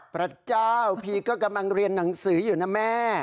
พระเจ้าพีก็กำลังเรียนหนังสืออยู่นะแม่